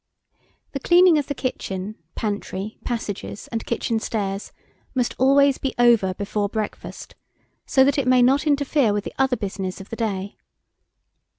The cleaning of the kitchen, pantry, passages, and kitchen stairs must always be over before breakfast, so that it may not interfere with the other business of the day.